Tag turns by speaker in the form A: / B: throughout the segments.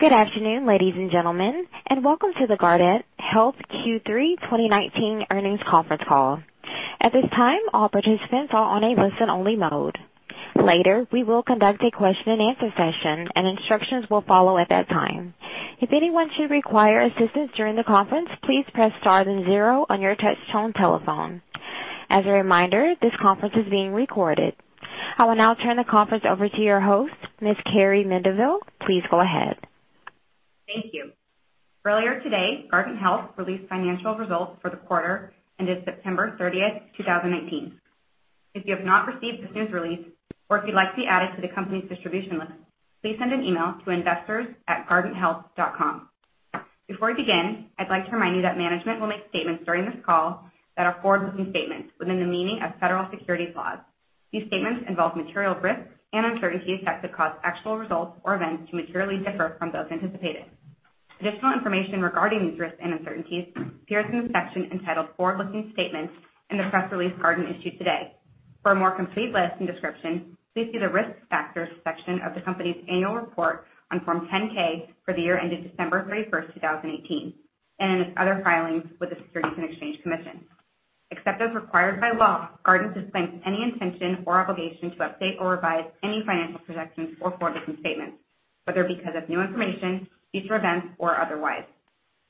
A: Good afternoon, ladies and gentlemen, and welcome to the Guardant Health Q3 2019 earnings conference call. At this time, all participants are on a listen-only mode. Later, we will conduct a question and answer session, and instructions will follow at that time. If anyone should require assistance during the conference, please press star then zero on your touchtone telephone. As a reminder, this conference is being recorded. I will now turn the conference over to your host, Ms. Carrie Mendivil. Please go ahead.
B: Thank you. Earlier today, Guardant Health released financial results for the quarter ended September 30th, 2019. If you have not received the news release, or if you'd like to be added to the company's distribution list, please send an email to investors@guardanthealth.com. Before we begin, I'd like to remind you that management will make statements during this call that are forward-looking statements within the meaning of federal securities laws. These statements involve material risks and uncertainties that could cause actual results or events to materially differ from those anticipated. Additional information regarding these risks and uncertainties appears in the section entitled Forward-Looking Statements in the press release Guardant issued today. For a more complete list and description, please see the Risk Factors section of the company's annual report on Form 10-K for the year ended December 31st, 2018, and in its other filings with the Securities and Exchange Commission. Except as required by law, Guardant disclaims any intention or obligation to update or revise any financial projections or forward-looking statements, whether because of new information, future events, or otherwise.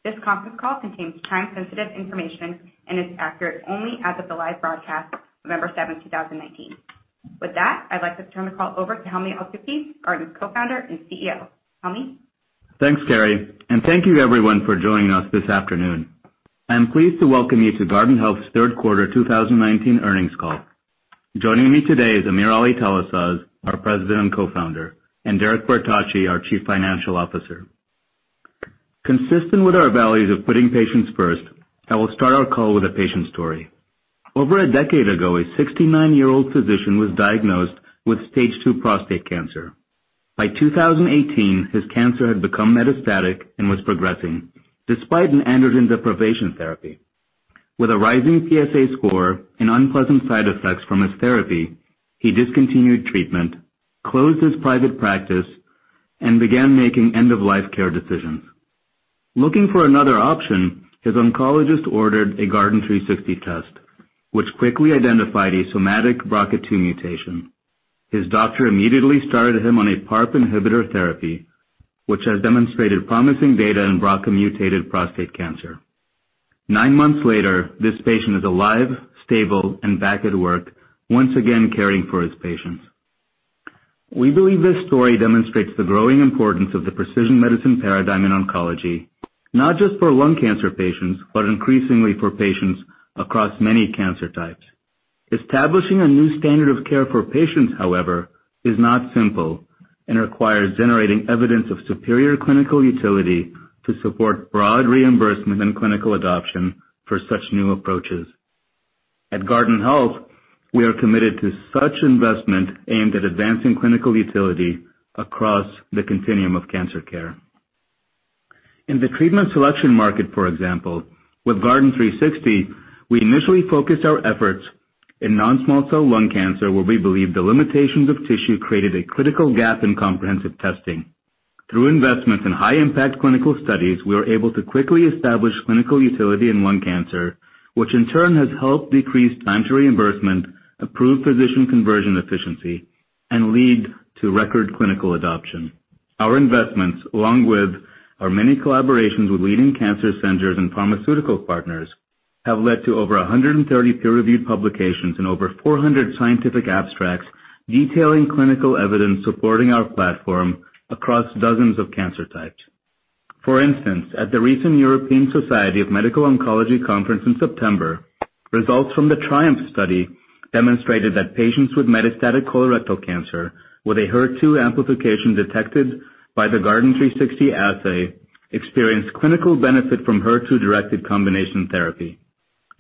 B: This conference call contains time-sensitive information and is accurate only as of the live broadcast, November seventh, 2019. With that, I'd like to turn the call over to Helmy Eltoukhy, Guardant's co-founder and CEO. Helmy?
C: Thanks, Carrie, and thank you everyone for joining us this afternoon. I am pleased to welcome you to Guardant Health's third quarter 2019 earnings call. Joining me today is AmirAli Talasaz, our President and Co-founder, and Derek Bertocci, our Chief Financial Officer. Consistent with our values of putting patients first, I will start our call with a patient story. Over a decade ago, a 69-year-old physician was diagnosed with stage 2 prostate cancer. By 2018, his cancer had become metastatic and was progressing despite an androgen deprivation therapy. With a rising PSA score and unpleasant side effects from his therapy, he discontinued treatment, closed his private practice, and began making end-of-life care decisions. Looking for another option, his oncologist ordered a Guardant360 test, which quickly identified a somatic BRCA2 mutation. His doctor immediately started him on a PARP inhibitor therapy, which has demonstrated promising data in BRCA-mutated prostate cancer. Nine months later, this patient is alive, stable, and back at work, once again caring for his patients. We believe this story demonstrates the growing importance of the precision medicine paradigm in oncology, not just for lung cancer patients, but increasingly for patients across many cancer types. Establishing a new standard of care for patients, however, is not simple and requires generating evidence of superior clinical utility to support broad reimbursement and clinical adoption for such new approaches. At Guardant Health, we are committed to such investment aimed at advancing clinical utility across the continuum of cancer care. In the treatment selection market, for example, with Guardant360, we initially focused our efforts in non-small cell lung cancer, where we believe the limitations of tissue created a critical gap in comprehensive testing. Through investments in high impact clinical studies, we were able to quickly establish clinical utility in lung cancer, which in turn has helped decrease time to reimbursement, improve physician conversion efficiency, and lead to record clinical adoption. Our investments, along with our many collaborations with leading cancer centers and pharmaceutical partners, have led to over 130 peer-reviewed publications and over 400 scientific abstracts detailing clinical evidence supporting our platform across dozens of cancer types. For instance, at the recent European Society for Medical Oncology conference in September, results from the TRIUMPH study demonstrated that patients with metastatic colorectal cancer with a HER2 amplification detected by the Guardant360 assay experienced clinical benefit from HER2-directed combination therapy.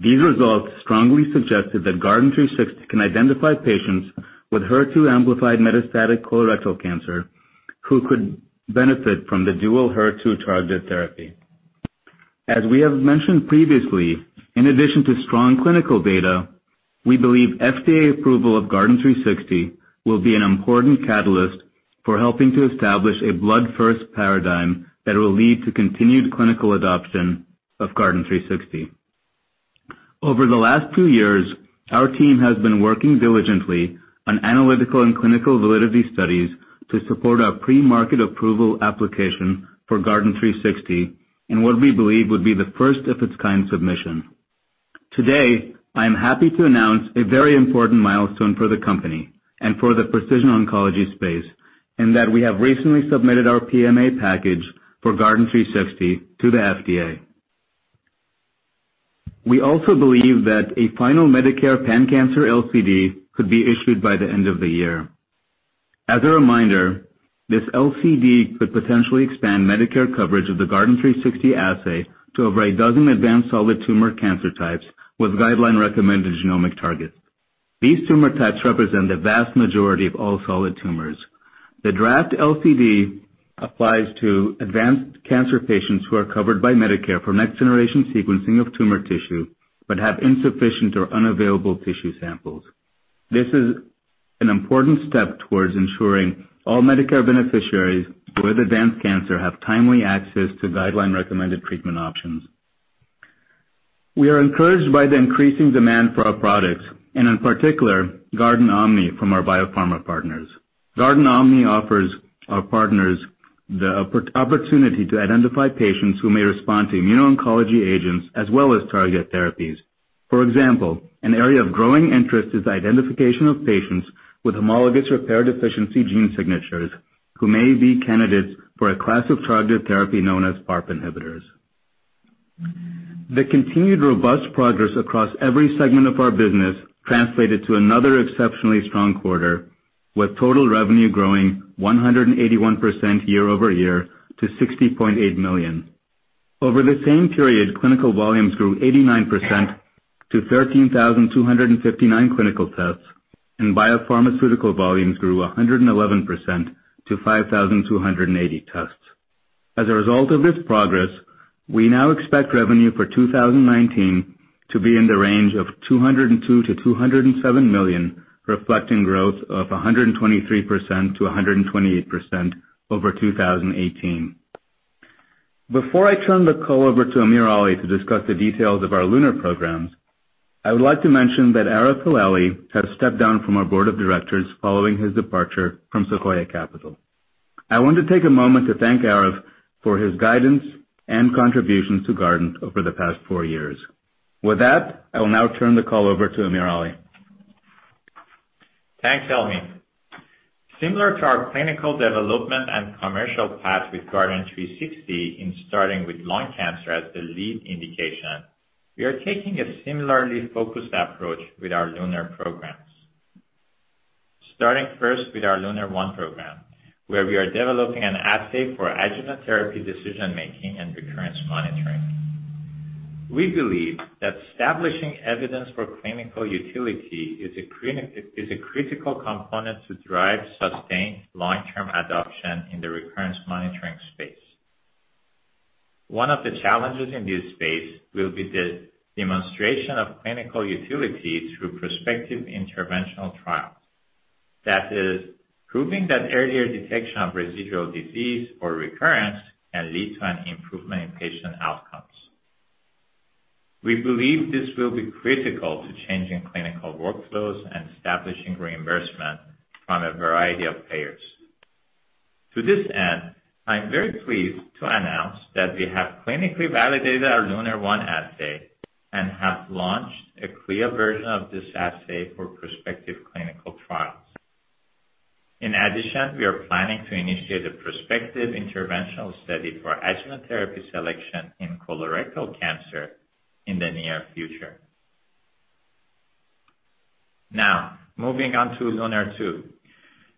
C: These results strongly suggested that Guardant360 can identify patients with HER2 amplified metastatic colorectal cancer who could benefit from the dual HER2 targeted therapy. As we have mentioned previously, in addition to strong clinical data, we believe FDA approval of Guardant360 will be an important catalyst for helping to establish a blood first paradigm that will lead to continued clinical adoption of Guardant360. Over the last two years, our team has been working diligently on analytical and clinical validity studies to support our pre-market approval application for Guardant360 in what we believe would be the first of its kind submission. Today, I am happy to announce a very important milestone for the company and for the precision oncology space, and that we have recently submitted our PMA package for Guardant360 to the FDA. We also believe that a final Medicare pan-cancer LCD could be issued by the end of the year. As a reminder, this LCD could potentially expand Medicare coverage of the Guardant360 assay to over 12 advanced solid tumor cancer types with guideline-recommended genomic targets. These tumor types represent the vast majority of all solid tumors. The draft LCD applies to advanced cancer patients who are covered by Medicare for next generation sequencing of tumor tissue, but have insufficient or unavailable tissue samples. This is an important step towards ensuring all Medicare beneficiaries with advanced cancer have timely access to guideline-recommended treatment options. We are encouraged by the increasing demand for our products, in particular, GuardantOMNI from our biopharma partners. GuardantOMNI offers our partners the opportunity to identify patients who may respond to immuno-oncology agents as well as targeted therapies. For example, an area of growing interest is identification of patients with homologous repair deficiency gene signatures who may be candidates for a class of targeted therapy known as PARP inhibitors. The continued robust progress across every segment of our business translated to another exceptionally strong quarter, with total revenue growing 181% year-over-year to $60.8 million. Over the same period, clinical volumes grew 89% to 13,259 clinical tests, and biopharmaceutical volumes grew 111% to 5,280 tests. As a result of this progress, we now expect revenue for 2019 to be in the range of $202 million-$207 million, reflecting growth of 123%-128% over 2018. Before I turn the call over to AmirAli to discuss the details of our lunar programs, I would like to mention that Arif Haleemi has stepped down from our board of directors following his departure from Sequoia Capital. I want to take a moment to thank Arif for his guidance and contributions to Guardant over the past four years. With that, I will now turn the call over to AmirAli.
D: Thanks, Helmy. Similar to our clinical development and commercial path with Guardant360 in starting with lung cancer as the lead indication, we are taking a similarly focused approach with our LUNAR programs. Starting first with our LUNAR-1 program, where we are developing an assay for adjuvant therapy decision-making and recurrence monitoring. We believe that establishing evidence for clinical utility is a critical component to drive sustained long-term adoption in the recurrence monitoring space. One of the challenges in this space will be the demonstration of clinical utility through prospective interventional trials. That is, proving that earlier detection of residual disease or recurrence can lead to an improvement in patient outcomes. We believe this will be critical to changing clinical workflows and establishing reimbursement from a variety of payers. To this end, I am very pleased to announce that we have clinically validated our LUNAR-1 assay and have launched a CLIA version of this assay for prospective clinical trials. In addition, we are planning to initiate a prospective interventional study for adjuvant therapy selection in colorectal cancer in the near future. Now, moving on to LUNAR-2.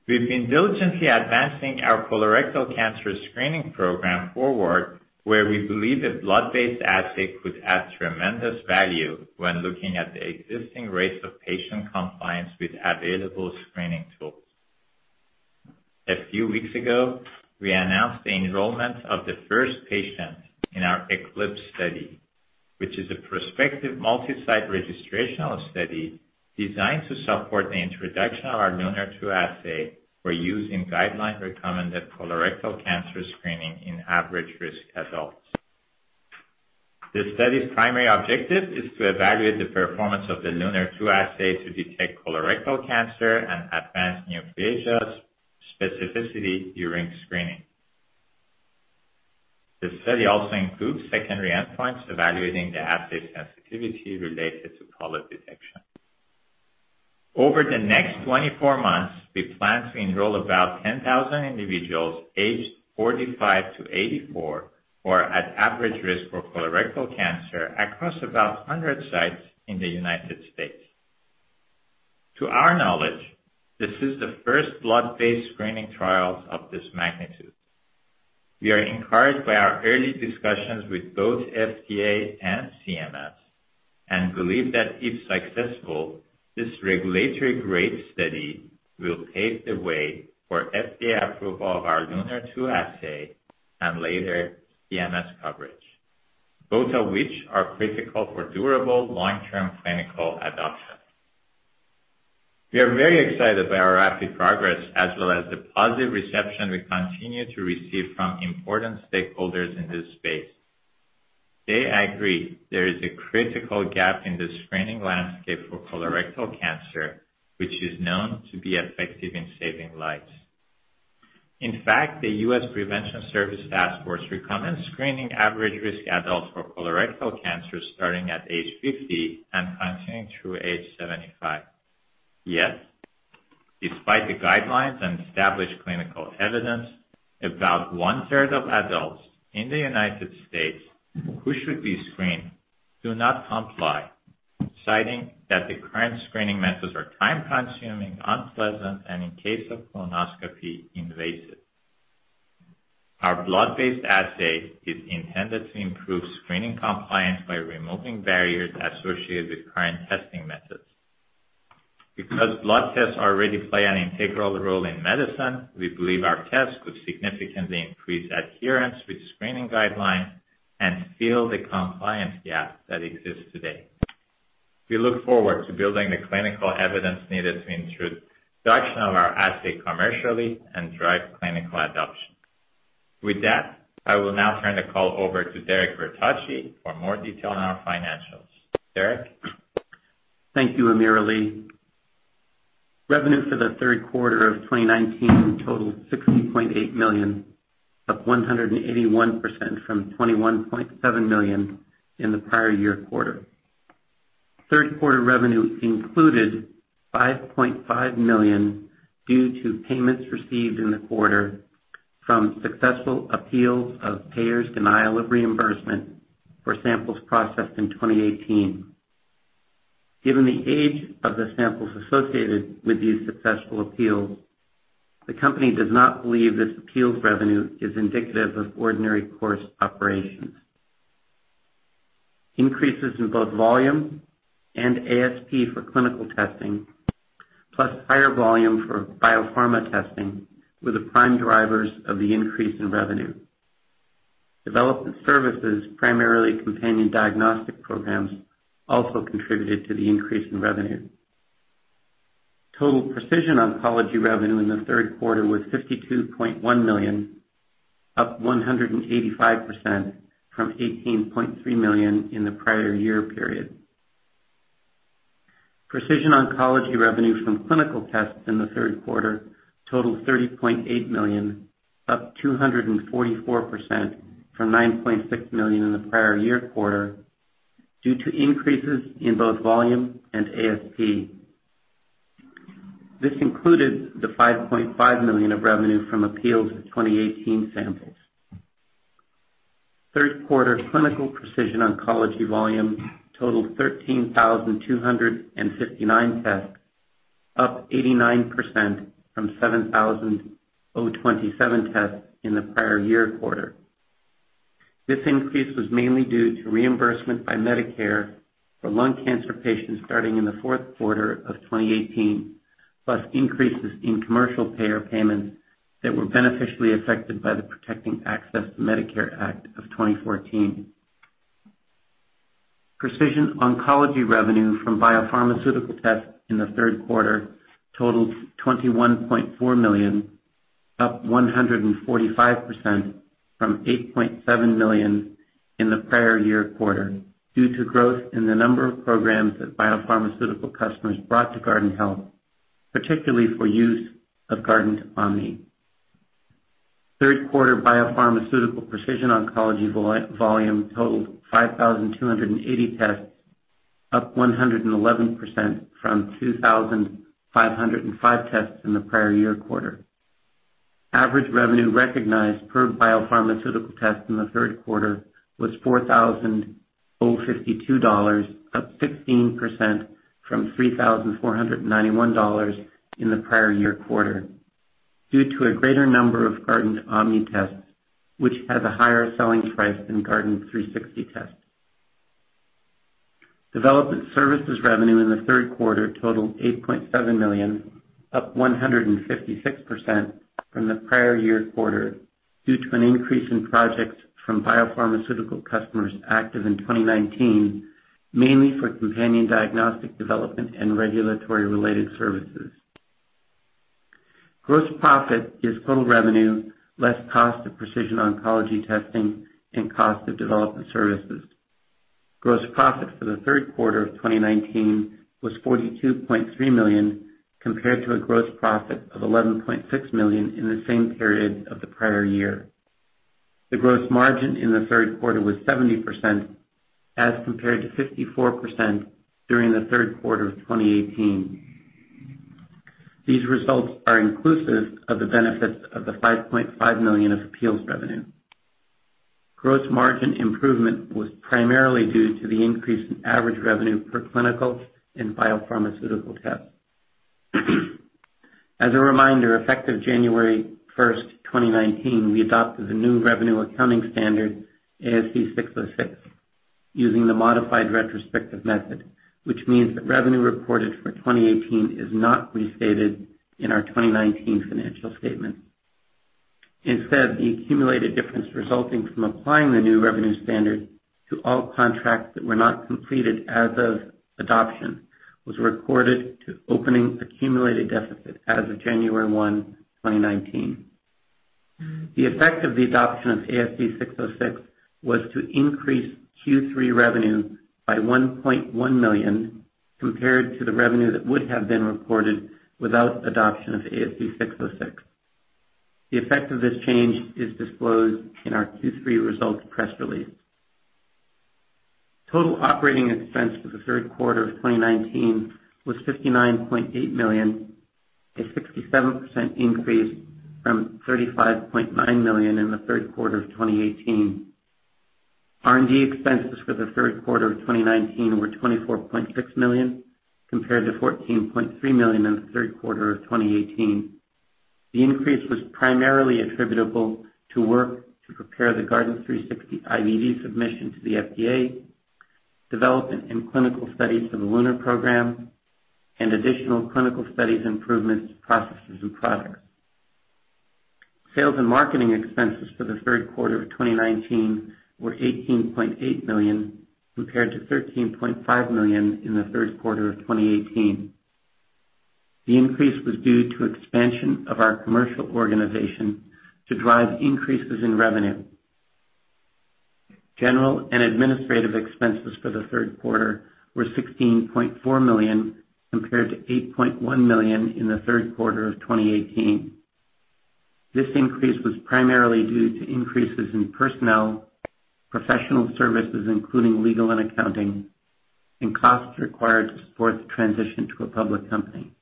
D: We've been diligently advancing our colorectal cancer screening program forward, where we believe a blood-based assay could add tremendous value when looking at the existing rates of patient compliance with available screening tools. A few weeks ago, we announced the enrollment of the first patient in our Eclipse study, which is a prospective multi-site registrational study designed to support the introduction of our LUNAR-2 assay for use in guideline-recommended colorectal cancer screening in average-risk adults. The study's primary objective is to evaluate the performance of the LUNAR-2 assay to detect colorectal cancer and advanced neoplasia specificity during screening. The study also includes secondary endpoints evaluating the assay sensitivity related to polyp detection. Over the next 24 months, we plan to enroll about 10,000 individuals aged 45 to 84 who are at average risk for colorectal cancer across about 100 sites in the U.S. To our knowledge, this is the first blood-based screening trial of this magnitude. We are encouraged by our early discussions with both FDA and CMS, believe that if successful, this regulatory grade study will pave the way for FDA approval of our LUNAR-2 assay and later CMS coverage, both of which are critical for durable long-term clinical adoption. We are very excited by our rapid progress as well as the positive reception we continue to receive from important stakeholders in this space. They agree there is a critical gap in the screening landscape for colorectal cancer, which is known to be effective in saving lives. In fact, the US Preventive Services Task Force recommends screening average-risk adults for colorectal cancer starting at age 50 and continuing through age 75. Yet, despite the guidelines and established clinical evidence, about one-third of adults in the United States who should be screened do not comply, citing that the current screening methods are time-consuming, unpleasant, and in case of colonoscopy, invasive. Our blood-based assay is intended to improve screening compliance by removing barriers associated with current testing methods. Blood tests already play an integral role in medicine, we believe our tests could significantly increase adherence with screening guidelines and fill the compliance gap that exists today. We look forward to building the clinical evidence needed to introduce production of our assay commercially and drive clinical adoption. With that, I will now turn the call over to Derek Bertocci for more detail on our financials. Derek?
E: Thank you, AmirAli. Revenue for the third quarter of 2019 totaled $60.8 million, up 181% from $21.7 million in the prior year quarter. Third quarter revenue included $5.5 million due to payments received in the quarter from successful appeals of payers' denial of reimbursement for samples processed in 2018. Given the age of the samples associated with these successful appeals, the company does not believe this appeals revenue is indicative of ordinary course operations. Increases in both volume and ASP for clinical testing, plus higher volume for biopharma testing, were the prime drivers of the increase in revenue. Development services, primarily companion diagnostic programs, also contributed to the increase in revenue. Total precision oncology revenue in the third quarter was $52.1 million, up 185% from $18.3 million in the prior year period. Precision oncology revenue from clinical tests in the third quarter totaled $30.8 million, up 244% from $9.6 million in the prior year quarter, due to increases in both volume and ASP. This included the $5.5 million of revenue from appeals of 2018 samples. Third quarter clinical precision oncology volume totaled 13,259 tests, up 89% from 7,027 tests in the prior year quarter. This increase was mainly due to reimbursement by Medicare for lung cancer patients starting in the fourth quarter of 2018, plus increases in commercial payer payments that were beneficially affected by the Protecting Access to Medicare Act of 2014. Precision oncology revenue from biopharmaceutical tests in the third quarter totaled $21.4 million, up 145% from $8.7 million in the prior year quarter, due to growth in the number of programs that biopharmaceutical customers brought to Guardant Health, particularly for use of GuardantOMNI. Third quarter biopharmaceutical precision oncology volume totaled 5,280 tests, up 111% from 2,505 tests in the prior year quarter. Average revenue recognized per biopharmaceutical test in the third quarter was $4,052, up 16% from $3,491 in the prior year quarter, due to a greater number of GuardantOMNI tests, which has a higher selling price than Guardant360 tests. Development services revenue in the third quarter totaled $8.7 million, up 156% from the prior year quarter, due to an increase in projects from biopharmaceutical customers active in 2019, mainly for companion diagnostic development and regulatory-related services. Gross profit is total revenue less cost of precision oncology testing and cost of development services. Gross profit for the third quarter of 2019 was $42.3 million, compared to a gross profit of $11.6 million in the same period of the prior year. The gross margin in the third quarter was 70%, as compared to 54% during the third quarter of 2018. These results are inclusive of the benefits of the $5.5 million of appeals revenue. Gross margin improvement was primarily due to the increase in average revenue per clinical and biopharmaceutical test. As a reminder, effective January 1st, 2019, we adopted the new revenue accounting standard, ASC 606, using the modified retrospective method, which means that revenue reported for 2018 is not restated in our 2019 financial statement. Instead, the accumulated difference resulting from applying the new revenue standard to all contracts that were not completed as of adoption was recorded to opening accumulated deficit as of January 1st, 2019. The effect of the adoption of ASC 606 was to increase Q3 revenue by $1.1 million compared to the revenue that would have been reported without adoption of ASC 606. The effect of this change is disclosed in our Q3 results press release. Total operating expense for the third quarter of 2019 was $59.8 million, a 67% increase from $35.9 million in the third quarter of 2018. R&D expenses for the third quarter of 2019 were $24.6 million, compared to $14.3 million in the third quarter of 2018. The increase was primarily attributable to work to prepare the Guardant360 IVD submission to the FDA, development and clinical studies for the LUNAR program, and additional clinical studies improvements to processes and products. Sales and marketing expenses for the third quarter of 2019 were $18.8 million, compared to $13.5 million in the third quarter of 2018. The increase was due to expansion of our commercial organization to drive increases in revenue. General and administrative expenses for the third quarter were $16.4 million, compared to $8.1 million in the third quarter of 2018. This increase was primarily due to increases in personnel, professional services, including legal and accounting, and costs required to support the transition to a public company.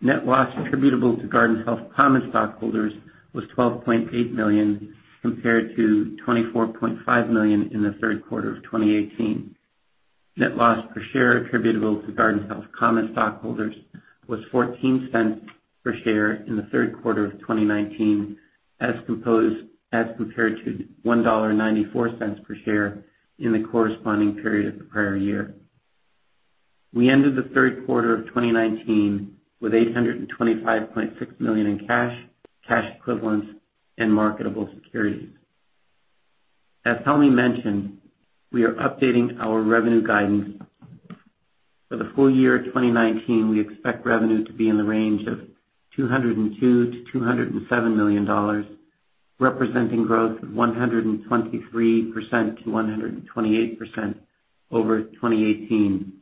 E: Net loss attributable to Guardant Health common stockholders was $12.8 million, compared to $24.5 million in the third quarter of 2018. Net loss per share attributable to Guardant Health common stockholders was $0.14 per share in the third quarter of 2019, as compared to $1.94 per share in the corresponding period of the prior year. We ended the third quarter of 2019 with $825.6 million in cash equivalents, and marketable securities. As Helmy mentioned, we are updating our revenue guidance. For the full year 2019, we expect revenue to be in the range of $202 million-$207 million, representing growth of 123%-128% over 2018.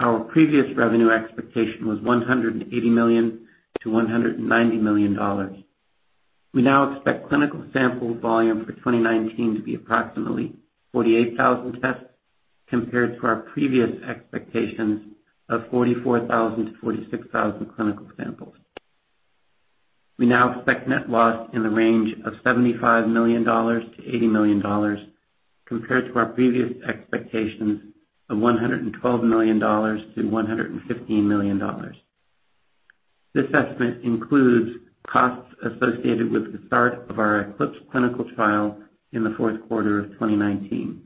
E: Our previous revenue expectation was $180 million-$190 million. We now expect clinical sample volume for 2019 to be approximately 48,000 tests compared to our previous expectations of 44,000-46,000 clinical samples. We now expect net loss in the range of $75 million-$80 million, compared to our previous expectations of $112 million-$115 million. This estimate includes costs associated with the start of our Eclipse clinical trial in the fourth quarter of 2019.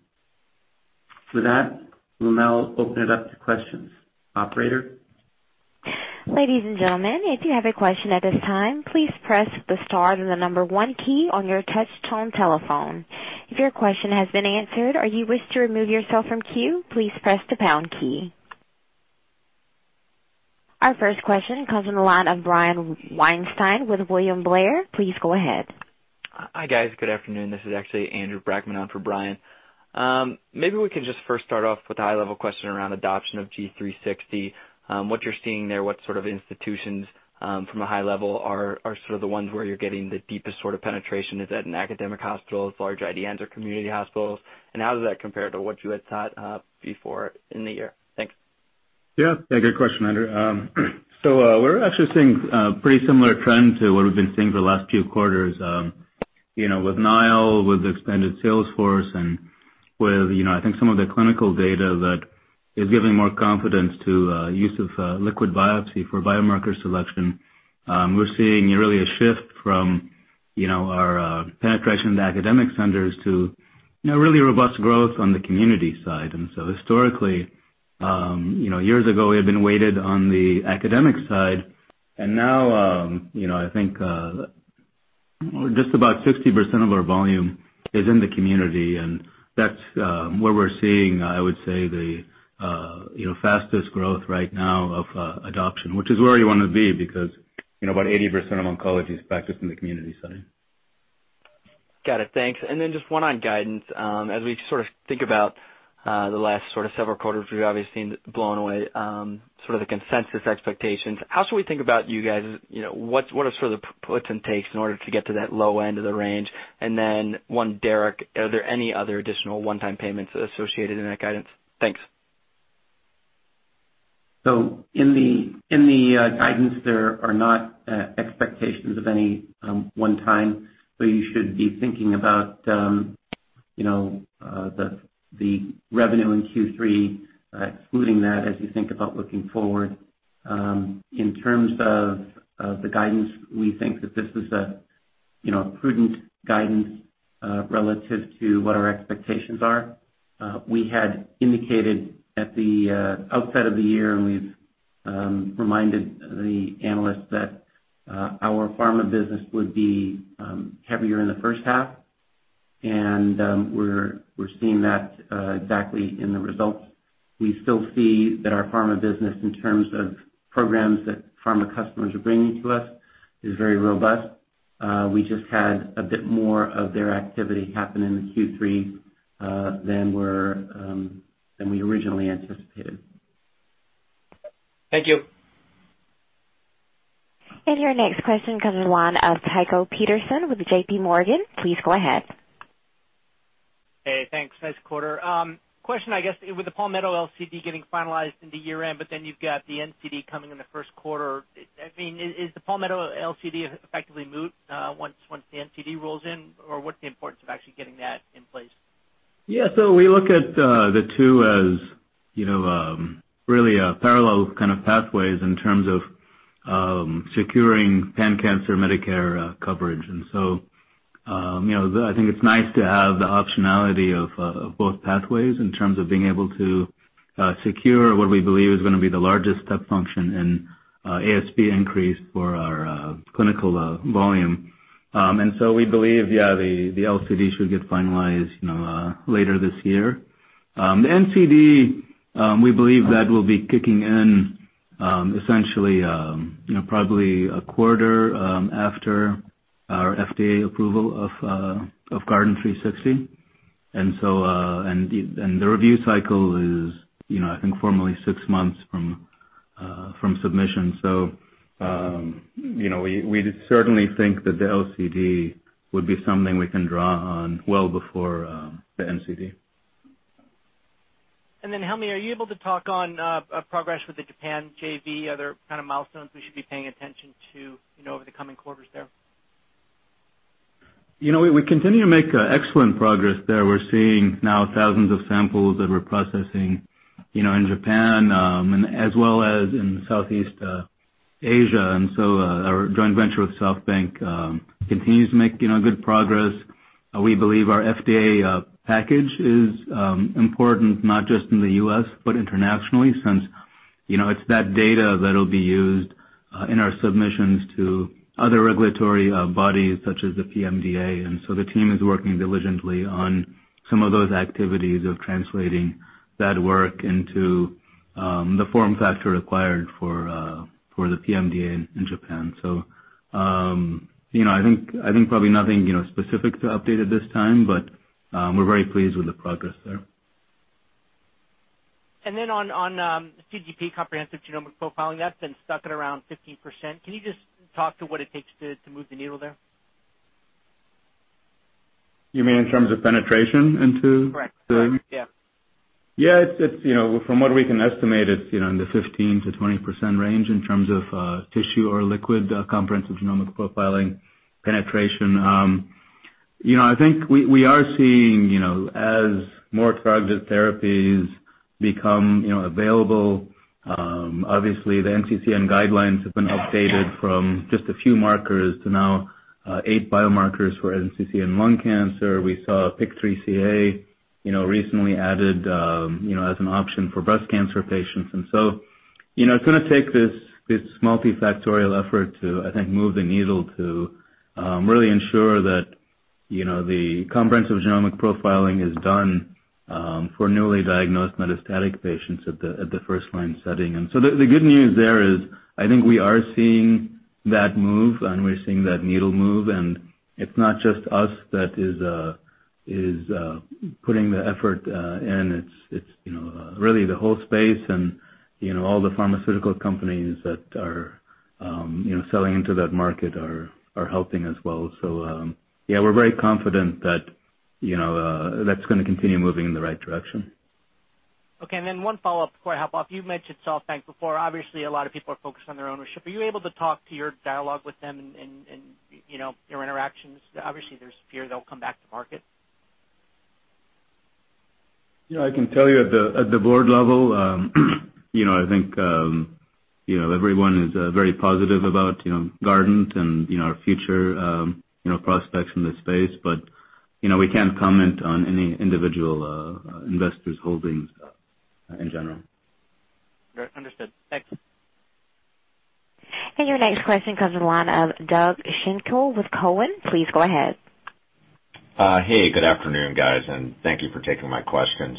E: With that, we'll now open it up to questions. Operator?
A: Ladies and gentlemen, if you have a question at this time, please press the star then the 1 key on your touch tone telephone. If your question has been answered or you wish to remove yourself from queue, please press the pound key. Our first question comes on the line of Brian Weinstein with William Blair. Please go ahead.
F: Hi, guys. Good afternoon. This is actually Andrew Brackmann on for Brian. Maybe we can just first start off with a high-level question around adoption of G360, what you're seeing there, what sort of institutions, from a high level, are the ones where you're getting the deepest sort of penetration. Is that in academic hospitals, large IDNs, or community hospitals? How does that compare to what you had thought before in the year? Thanks.
E: Yeah. Good question, Andrew. We're actually seeing a pretty similar trend to what we've been seeing the last few quarters. With NILE, with the expanded sales force, and with I think some of the clinical data that is giving more confidence to use of liquid biopsy for biomarker selection, we're seeing really a shift from our penetration into academic centers to really robust growth on the community side. Historically, years ago, we had been weighted on the academic side. Now, I think, just about 60% of our volume is in the community. That's where we're seeing, I would say, the fastest growth right now of adoption, which is where you want to be, because about 80% of oncology is practiced in the community setting.
F: Got it. Thanks. Just one on guidance. As we think about the last several quarters, we've obviously blown away the consensus expectations. How should we think about you guys? What are the puts and takes in order to get to that low end of the range? One, Derek, are there any other additional one-time payments associated in that guidance? Thanks.
E: In the guidance, there are not expectations of any one time, but you should be thinking about the revenue in Q3, excluding that as you think about looking forward. In terms of the guidance, we think that this is a prudent guidance relative to what our expectations are. We had indicated at the outset of the year, and we've reminded the analysts that our pharma business would be heavier in the first half. We're seeing that exactly in the results. We still see that our pharma business, in terms of programs that pharma customers are bringing to us, is very robust. We just had a bit more of their activity happen in Q3 than we originally anticipated.
F: Thank you.
A: Your next question comes in the line of Tycho Peterson with JPMorgan. Please go ahead.
G: Hey, thanks. Nice quarter. Question, I guess, with the Palmetto LCD getting finalized into year-end, you've got the NCD coming in the first quarter. Is the Palmetto LCD effectively moot once the NCD rolls in? What's the importance of actually getting that in place?
E: Yeah. We look at the two as really parallel kind of pathways in terms of securing pan-cancer Medicare coverage.
C: I think it's nice to have the optionality of both pathways in terms of being able to secure what we believe is going to be the largest step function in ASP increase for our clinical volume. We believe, yeah, the LCD should get finalized later this year. The NCD, we believe that will be kicking in essentially probably a quarter after our FDA approval of Guardant360. The review cycle is I think formally six months from submission. We certainly think that the LCD would be something we can draw on well before the NCD.
G: Helmy, are you able to talk on progress with the Japan JV, other kind of milestones we should be paying attention to over the coming quarters there?
C: We continue to make excellent progress there. We're seeing now thousands of samples that we're processing in Japan, as well as in Southeast Asia. Our joint venture with SoftBank continues to make good progress. We believe our FDA package is important, not just in the U.S., but internationally, since it's that data that'll be used in our submissions to other regulatory bodies such as the PMDA. The team is working diligently on some of those activities of translating that work into the form factor required for the PMDA in Japan. I think probably nothing specific to update at this time, but we're very pleased with the progress there.
G: On CGP, comprehensive genomic profiling, that's been stuck at around 15%. Can you just talk to what it takes to move the needle there?
C: You mean in terms of penetration into-
G: Correct.
C: Yeah. From what we can estimate, it's in the 15%-20% range in terms of tissue or liquid comprehensive genomic profiling penetration. I think we are seeing as more targeted therapies become available, obviously the NCCN guidelines have been updated from just a few markers to now eight biomarkers for NCCN lung cancer. We saw PIK3CA recently added as an option for breast cancer patients. It's going to take this multifactorial effort to, I think, move the needle to really ensure that the comprehensive genomic profiling is done for newly diagnosed metastatic patients at the first line setting. The good news there is, I think we are seeing that move, and we're seeing that needle move, and it's not just us that is putting the effort in. It's really the whole space and all the pharmaceutical companies that are selling into that market are helping as well. Yeah, we're very confident that that's going to continue moving in the right direction.
G: Okay, one follow-up before I hop off. You mentioned SoftBank before. Obviously, a lot of people are focused on their ownership. Are you able to talk to your dialogue with them and your interactions? Obviously, there's fear they'll come back to market.
C: Yeah, I can tell you at the board level I think everyone is very positive about Guardant and our future prospects in this space. We can't comment on any individual investors' holdings in general.
G: Understood. Thanks.
A: Your next question comes in line of Doug Schenkel with Cowen. Please go ahead.
H: Hey, good afternoon, guys, and thank you for taking my questions.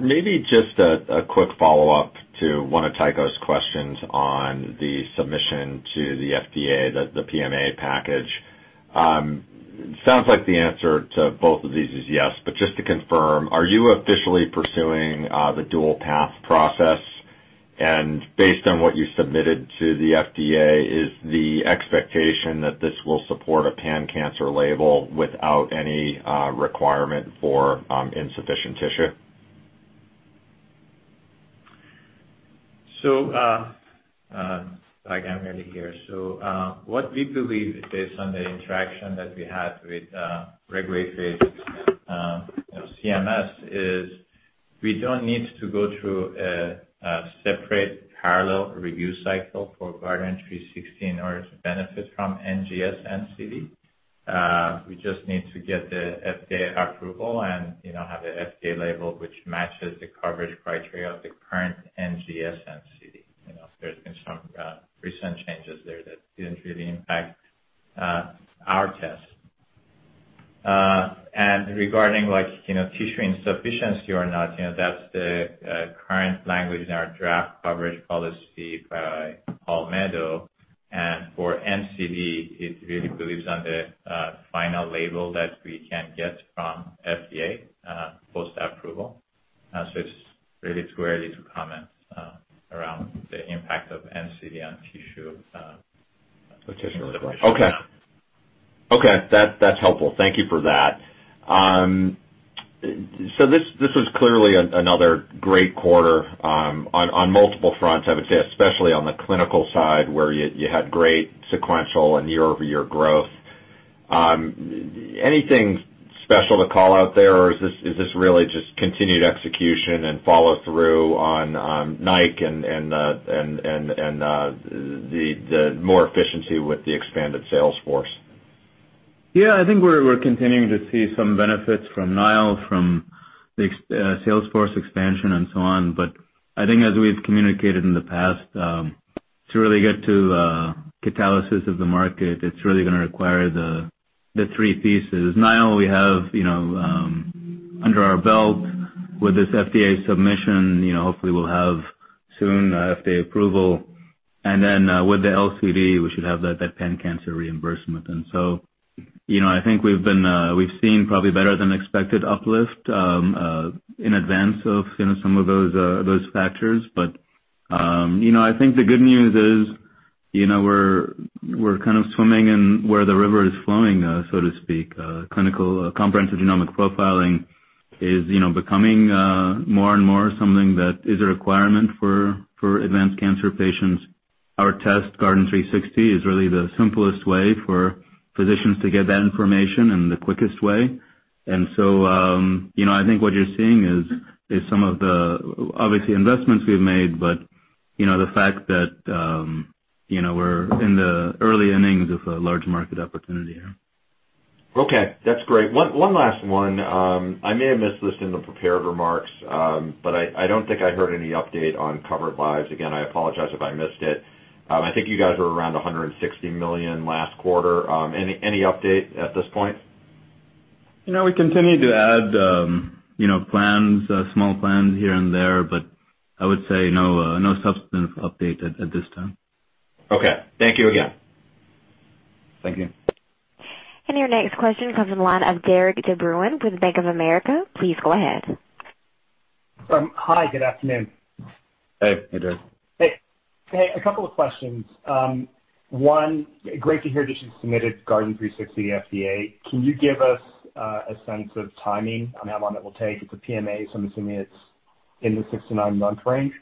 H: Maybe just a quick follow-up to one of Tycho's questions on the submission to the FDA, the PMA package. Sounds like the answer to both of these is yes, but just to confirm, are you officially pursuing the dual path process? Based on what you submitted to the FDA, is the expectation that this will support a pan-cancer label without any requirement for insufficient tissue?
D: Doug, I'm going to hear. What we believe is based on the interaction that we had with regulatory CMS is we don't need to go through a separate parallel review cycle for Guardant360 in order to benefit from NGS NCD. We just need to get the FDA approval and have the FDA label, which matches the coverage criteria of the current NGS NCD. There's been some recent changes there that didn't really impact our test. Regarding tissue insufficiency or not, that's the current language in our draft coverage policy by Palmetto. For NCD, it really relies on the final label that we can get from FDA post-approval. It's really too early to comment around the impact of NCD on tissue.
H: Okay. That's helpful. Thank you for that. This was clearly another great quarter on multiple fronts, I would say, especially on the clinical side where you had great sequential and year-over-year growth. Anything special to call out there, or is this really just continued execution and follow-through on NILE and the more efficiency with the expanded sales force?
C: Yeah, I think we're continuing to see some benefits from NILE, from the sales force expansion and so on. I think as we've communicated in the past, to really get to the catalysis of the market, it's really going to require the three pieces. NILE, we have under our belt with this FDA submission, hopefully we'll have soon FDA approval. With the LCD, we should have that pan-cancer reimbursement. I think we've seen probably better than expected uplift in advance of some of those factors. I think the good news is we're kind of swimming in where the river is flowing, so to speak. Clinical comprehensive genomic profiling is becoming more and more something that is a requirement for advanced cancer patients. Our test, Guardant360, is really the simplest way for physicians to get that information and the quickest way. I think what you're seeing is some of the, obviously, investments we've made, but the fact that we're in the early innings of a large market opportunity here.
H: Okay, that's great. One last one. I may have missed this in the prepared remarks, but I don't think I heard any update on covered lives. Again, I apologize if I missed it. I think you guys were around 160 million last quarter. Any update at this point?
C: We continue to add plans, small plans here and there, but I would say no substantive update at this time.
H: Okay. Thank you again.
C: Thank you.
A: Your next question comes on the line of Derik De Bruin with Bank of America. Please go ahead.
I: Hi, good afternoon.
C: Hey. Hey, Derik.
I: Hey. A couple of questions. One, great to hear that you submitted Guardant360 FDA. Can you give us a sense of timing on how long it will take? It's a PMA, so I'm assuming it's in the six to nine-month range.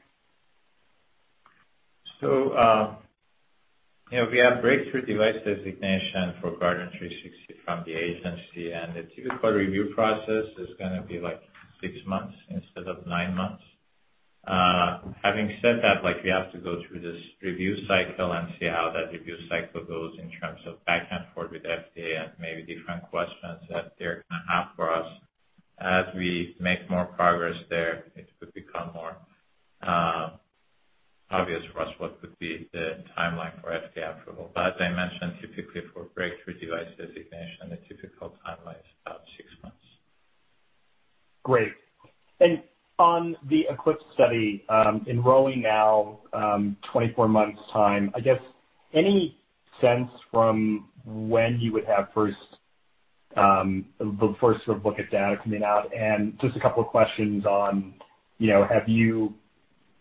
D: We have Breakthrough Device Designation for Guardant360 from the agency, and the typical review process is going to be like six months instead of nine months. Having said that, we have to go through this review cycle and see how that review cycle goes in terms of back and forth with FDA and maybe different questions that they're going to have for us. As we make more progress there, it could become more obvious for us what could be the timeline for FDA approval. As I mentioned, typically for Breakthrough Device Designation, the typical timeline is about six months.
I: Great. On the Eclipse study, enrolling now, 24 months' time. I guess, any sense from when you would have the first sort of look at data coming out? Just a couple of questions on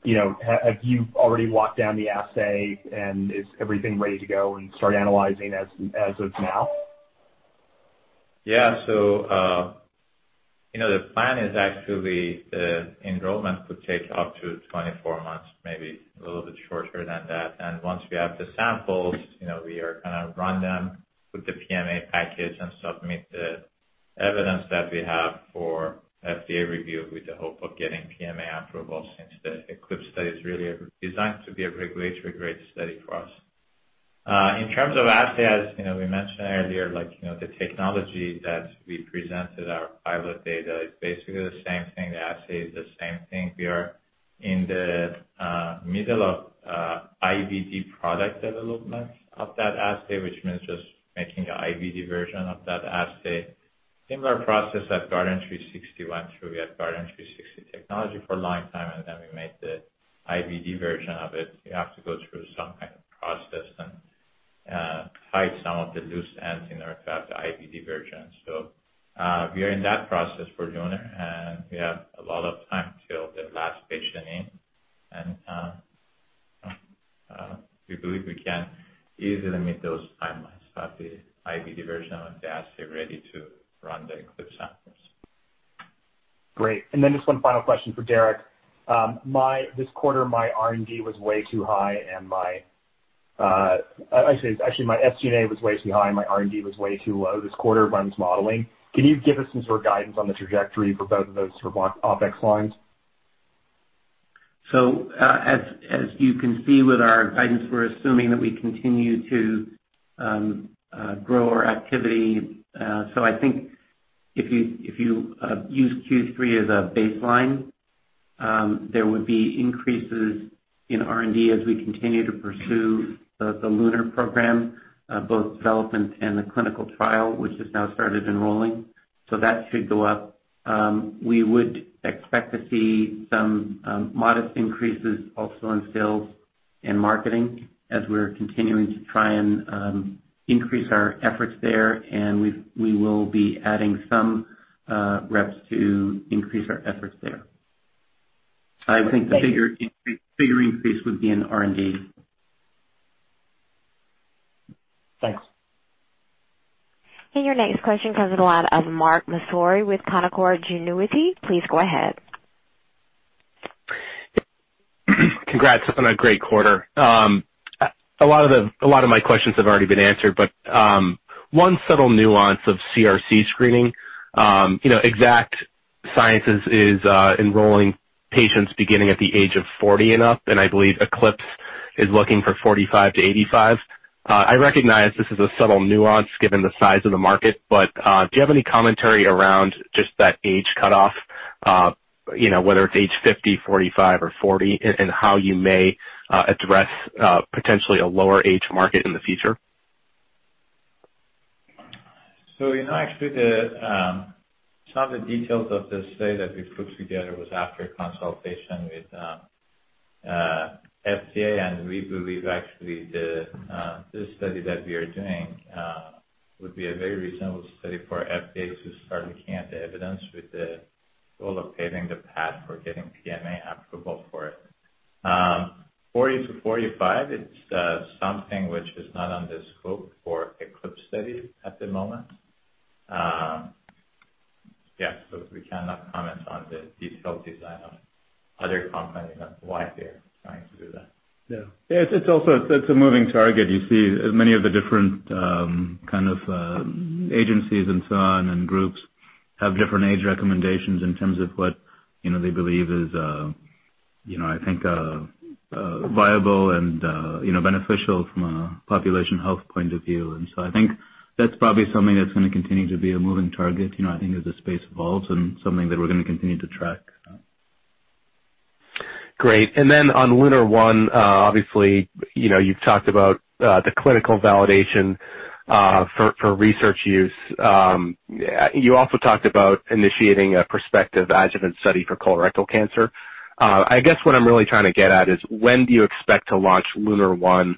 I: have you already walked down the assay and is everything ready to go and start analyzing as of now?
D: The plan is actually the enrollment could take up to 24 months, maybe a little bit shorter than that. Once we have the samples, we are going to run them with the PMA package and submit the evidence that we have for FDA review with the hope of getting PMA approval since the Eclipse study is really designed to be a regulatory grade study for us. In terms of assays, we mentioned earlier, the technology that we presented our pilot data is basically the same thing. The assay is the same thing. We are in the middle of IVD product development of that assay, which means just making an IVD version of that assay. Similar process that Guardant360 went through. We had Guardant360 technology for a long time, then we made the IVD version of it.
C: We have to go through some kind of process and hide some of the loose ends in order to have the IVD version. We are in that process for Lunar, we have a lot of time till the last patient in. We believe we can easily meet those timelines to have the IVD version of the assay ready to run the Eclipse samples.
I: Great. Just one final question for Derek. This quarter, my R&D was way too high, actually my SG&A was way too high and my R&D was way too low this quarter, run this modeling. Can you give us some sort of guidance on the trajectory for both of those sort of OpEx lines?
E: As you can see with our guidance, we're assuming that we continue to grow our activity. I think if you use Q3 as a baseline, there would be increases in R&D as we continue to pursue the LUNAR program, both development and the clinical trial, which has now started enrolling. That should go up. We would expect to see some modest increases also in sales and marketing as we're continuing to try and increase our efforts there, and we will be adding some reps to increase our efforts there. I think the bigger increase would be in R&D.
I: Thanks.
A: Your next question comes in the line of Mark Massaro with Canaccord Genuity. Please go ahead.
J: Congrats on a great quarter. A lot of my questions have already been answered, one subtle nuance of CRC screening. Exact Sciences is enrolling patients beginning at the age 40 and up, I believe Eclipse is looking for 45 to 85. I recognize this is a subtle nuance given the size of the market, do you have any commentary around just that age cutoff? Whether it's age 50, 45, or 40, how you may address potentially a lower age market in the future.
D: Actually, some of the details of this study that we put together was after consultation with FDA, and we believe, actually, this study that we are doing would be a very reasonable study for FDA to start looking at the evidence with the goal of paving the path for getting PMA approval for it. 40-45, it's something which is not under scope for Eclipse study at the moment. We cannot comment on the detail design of other companies and why they're trying to do that.
C: Yeah. It's a moving target. You see many of the different kind of agencies and so on, and groups have different age recommendations in terms of what they believe is, I think, viable and beneficial from a population health point of view. I think that's probably something that's going to continue to be a moving target, I think, as the space evolves and something that we're going to continue to track.
J: Great. Then on LUNAR-1, obviously, you've talked about the clinical validation for research use. You also talked about initiating a prospective adjuvant study for colorectal cancer. I guess what I'm really trying to get at is when do you expect to launch LUNAR-1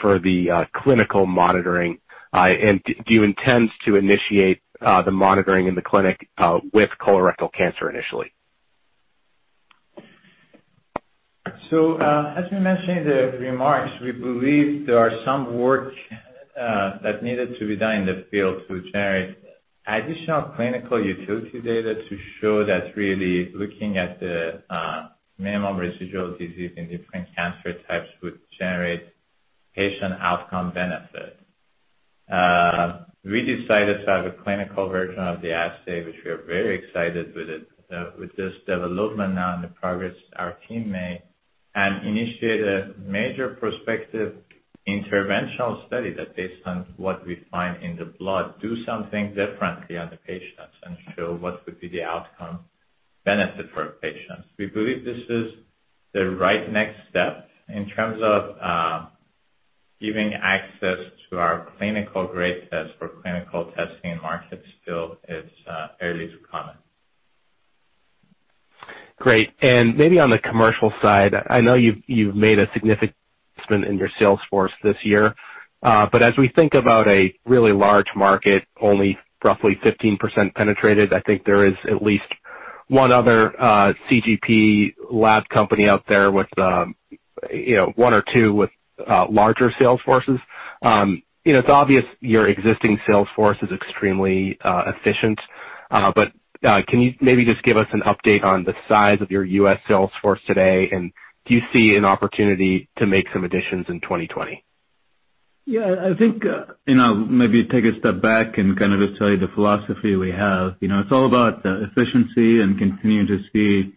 J: for the clinical monitoring, and do you intend to initiate the monitoring in the clinic with colorectal cancer initially?
D: As we mentioned in the remarks, we believe there are some work that needed to be done in the field to generate additional clinical utility data to show that really looking at the minimum residual disease in different cancer types would generate patient outcome benefit. We decided to have a clinical version of the assay, which we are very excited with this development now and the progress our team made, and initiate a major prospective interventional study that based on what we find in the blood, do something differently on the patients and show what could be the outcome benefit for patients. We believe this is the right next step in terms of giving access to our clinical-grade test for clinical testing markets still is early to comment.
J: Great. Maybe on the commercial side, I know you've made a significant investment in your sales force this year. As we think about a really large market, only roughly 15% penetrated, I think there is at least one other CGP lab company out there with one or two with larger sales forces. It's obvious your existing sales force is extremely efficient, but can you maybe just give us an update on the size of your U.S. sales force today, and do you see an opportunity to make some additions in 2020?
C: Yeah. I think, I'll maybe take a step back and kind of just tell you the philosophy we have. It's all about efficiency and continuing to see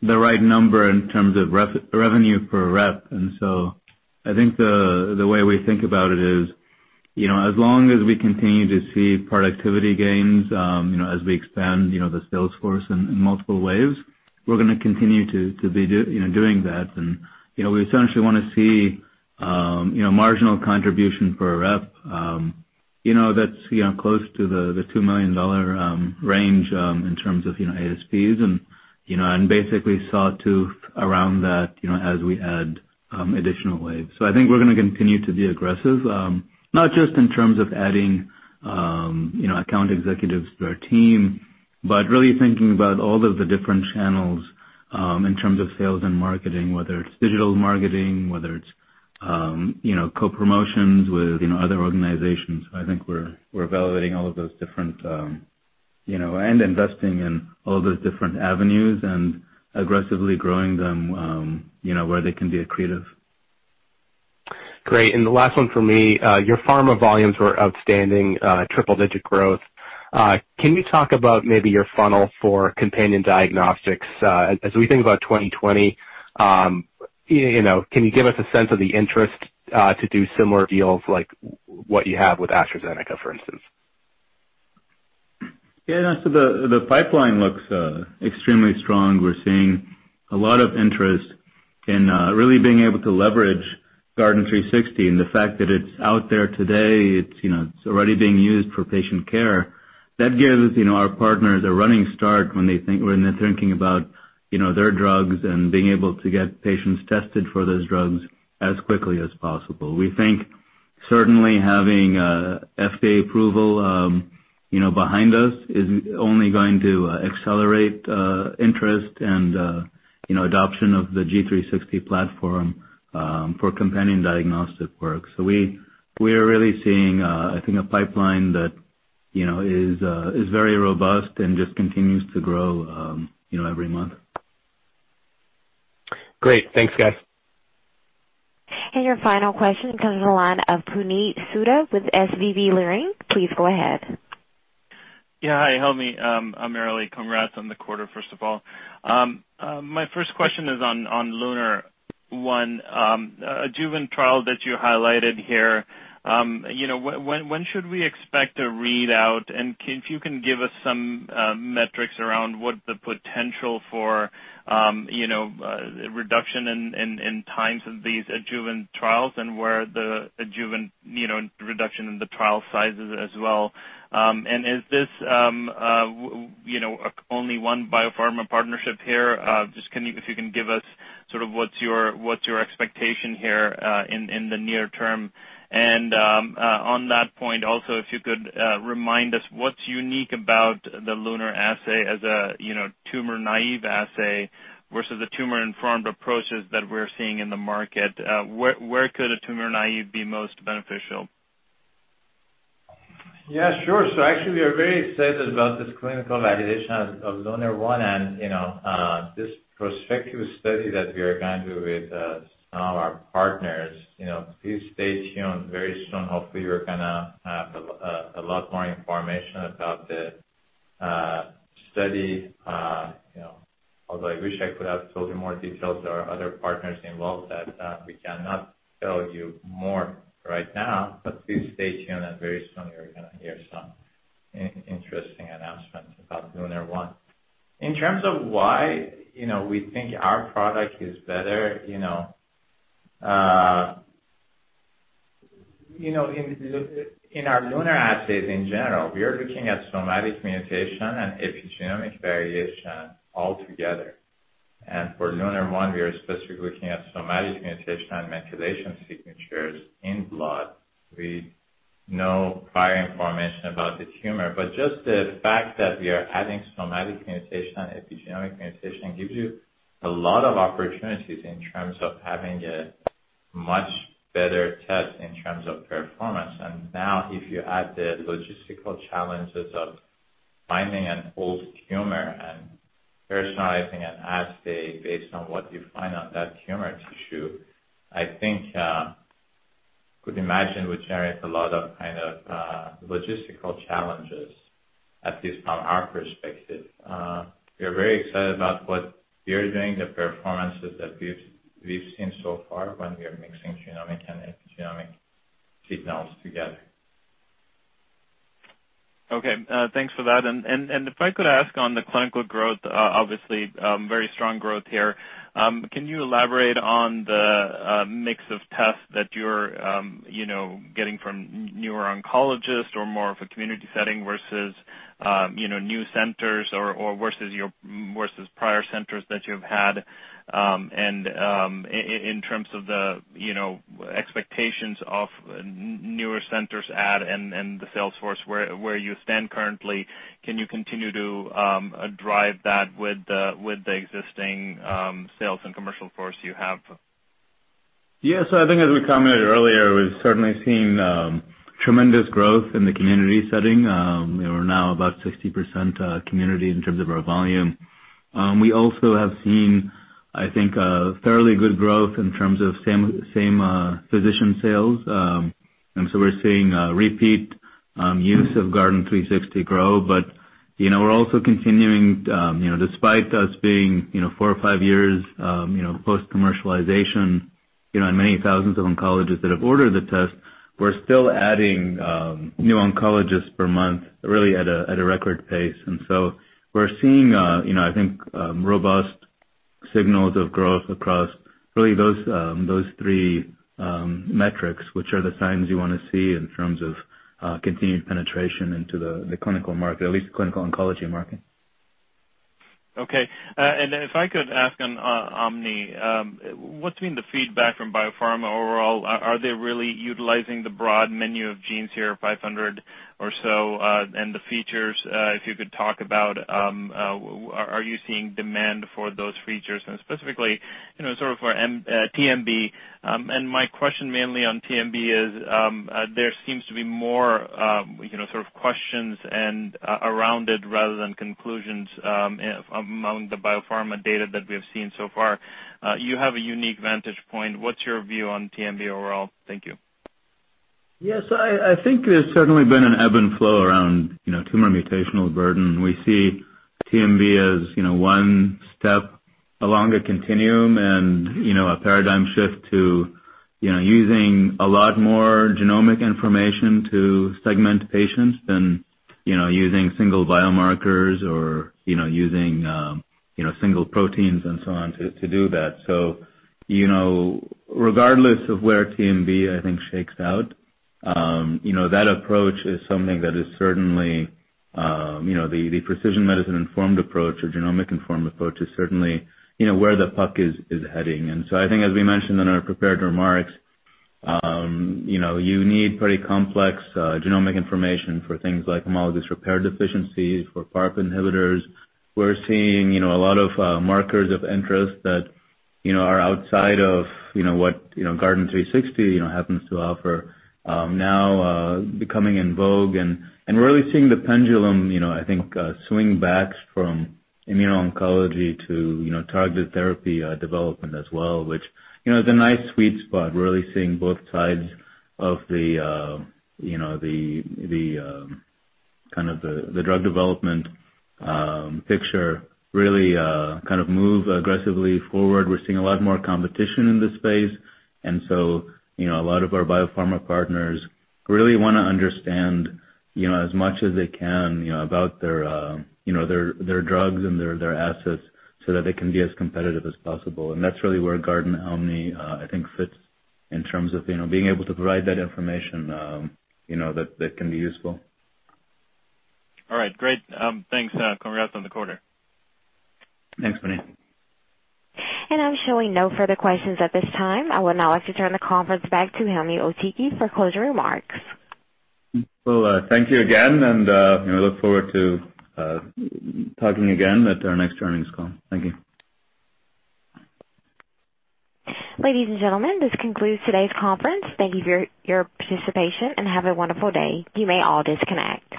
C: the right number in terms of revenue per rep. I think the way we think about it is, as long as we continue to see productivity gains as we expand the sales force in multiple ways, we're going to continue to be doing that. We essentially want to see marginal contribution per rep. That's close to the $2 million range, in terms of ASPs and basically saw tooth around that as we add additional waves. I think we're going to continue to be aggressive. Not just in terms of adding account executives to our team, but really thinking about all of the different channels in terms of sales and marketing, whether it's digital marketing, whether it's co-promotions with other organizations. I think we're evaluating all of those different, and investing in all those different avenues and aggressively growing them where they can be accretive.
J: Great. The last one from me. Your pharma volumes were outstanding, triple digit growth. Can you talk about maybe your funnel for companion diagnostics as we think about 2020? Can you give us a sense of the interest to do similar deals like what you have with AstraZeneca, for instance?
C: The pipeline looks extremely strong. We're seeing a lot of interest in really being able to leverage Guardant360 and the fact that it's out there today, it's already being used for patient care. That gives our partners a running start when they're thinking about their drugs and being able to get patients tested for those drugs as quickly as possible. We think certainly having FDA approval behind us is only going to accelerate interest and adoption of the G360 platform for companion diagnostic work.
D: Is very robust and just continues to grow every month.
J: Great. Thanks, guys.
A: Your final question comes on the line of Puneet Souda with SVB Leerink. Please go ahead.
K: Yeah. Hi, Helmy. I'm Puneet. Congrats on the quarter, first of all. My first question is on LUNAR-1. Adjuvant trial that you highlighted here. When should we expect a readout, and if you can give us some metrics around what the potential for reduction in times of these adjuvant trials and where the adjuvant reduction in the trial sizes as well? Is this only one biopharma partnership here? Just if you can give us sort of what's your expectation here in the near term and, on that point also, if you could remind us what's unique about the LUNAR assay as a tumor naive assay versus the tumor-informed approaches that we're seeing in the market. Where could a tumor naive be most beneficial?
D: Yeah, sure. Actually, we are very excited about this clinical validation of LUNAR-1 and this prospective study that we are going to do with some of our partners. Please stay tuned. Very soon, hopefully, we're going to have a lot more information about the study. Although I wish I could have told you more details, there are other partners involved that we cannot tell you more right now. Please stay tuned, and very soon you're going to hear some interesting announcements about LUNAR-1. In terms of why we think our product is better, in our LUNAR assays in general, we are looking at somatic mutation and epigenomic variation altogether. For LUNAR-1, we are specifically looking at somatic mutation and methylation signatures in blood. We know prior information about the tumor, just the fact that we are adding somatic mutation and epigenomic mutation gives you a lot of opportunities in terms of having a much better test in terms of performance. Now if you add the logistical challenges of finding an old tumor and personalizing an assay based on what you find on that tumor tissue, I think could imagine would generate a lot of logistical challenges, at least from our perspective. We're very excited about what we are doing, the performances that we've seen so far when we are mixing genomic and epigenomic signals together.
K: Okay, thanks for that. If I could ask on the clinical growth, obviously, very strong growth here. Can you elaborate on the mix of tests that you're getting from newer oncologists or more of a community setting versus new centers or versus prior centers that you've had? In terms of the expectations of newer centers add and the sales force where you stand currently, can you continue to drive that with the existing sales and commercial force you have?
C: I think as we commented earlier, we've certainly seen tremendous growth in the community setting. We are now about 60% community in terms of our volume. We also have seen, I think, a fairly good growth in terms of same physician sales. We're seeing a repeat use of Guardant360 grow. We're also continuing, despite us being four or five years post-commercialization and many thousands of oncologists that have ordered the test, we're still adding new oncologists per month, really at a record pace. We're seeing, I think, robust signals of growth across really those three metrics, which are the signs you want to see in terms of continued penetration into the clinical market, at least the clinical oncology market.
K: Okay. If I could ask on GuardantOMNI, what's been the feedback from biopharma overall? Are they really utilizing the broad menu of genes here, 500 or so, and the features, if you could talk about are you seeing demand for those features and specifically sort of for TMB? My question mainly on TMB is, there seems to be more sort of questions around it rather than conclusions among the biopharma data that we have seen so far. You have a unique vantage point. What's your view on TMB overall? Thank you.
C: Yes. I think there's certainly been an ebb and flow around tumor mutational burden. We see TMB as one step along a continuum and a paradigm shift to using a lot more genomic information to segment patients than using single biomarkers or using single proteins and so on to do that. Regardless of where TMB, I think, shakes out, that approach is something that is certainly the precision medicine-informed approach or genomic-informed approach is certainly where the puck is heading. I think as we mentioned in our prepared remarks, you need pretty complex genomic information for things like homologous repair deficiencies, for PARP inhibitors.
D: We're seeing a lot of markers of interest that are outside of what Guardant360 happens to offer now becoming in vogue and really seeing the pendulum, I think, swing back from immuno-oncology to targeted therapy development as well, which is a nice sweet spot, really seeing both sides of the drug development picture really kind of move aggressively forward. We're seeing a lot more competition in this space. A lot of our biopharma partners really want to understand as much as they can about their drugs and their assets so that they can be as competitive as possible. That's really where GuardantOMNI, I think, fits in terms of being able to provide that information that can be useful.
K: All right. Great. Thanks. Congrats on the quarter.
C: Thanks, Puneet.
A: I'm showing no further questions at this time. I would now like to turn the conference back to Helmy Eltoukhy for closing remarks.
C: Well, thank you again, and we look forward to talking again at our next earnings call. Thank you.
A: Ladies and gentlemen, this concludes today's conference. Thank you for your participation, and have a wonderful day. You may all disconnect.